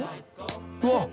うわっ。